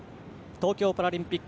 東京パラリンピック